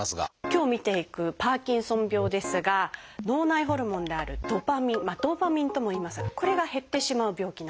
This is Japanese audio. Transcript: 今日見ていくパーキンソン病ですが脳内ホルモンである「ドパミン」「ドーパミン」とも言いますがこれが減ってしまう病気なんです。